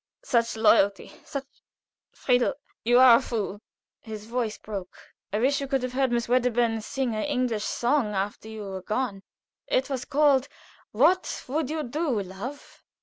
Such loyalty, such Friedel, you are a fool!" His voice broke. "I wish you could have heard Miss Wedderburn sing her English song after you were gone. It was called, 'What would You do, Love?'